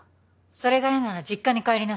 それが嫌なら実家に帰りなさい